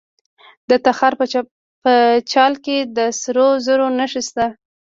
د تخار په چال کې د سرو زرو نښې شته.